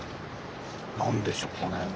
何でしょうかね？